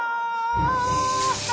ああ！